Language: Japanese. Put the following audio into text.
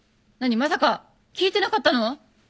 まさか聴いてなかったの？